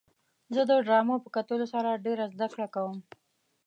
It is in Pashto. زه د ډرامو په کتلو سره ډېره زدهکړه کوم.